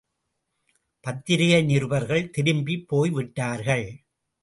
பத்திரிகை நிருபர்கள் திரும்பிப் போய்விட்டார்கள்.